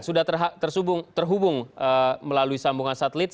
sudah terhubung melalui sambungan satelit